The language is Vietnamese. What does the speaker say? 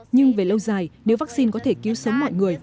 nhưng về lâu dài nếu vaccine có thể cứu sống mọi người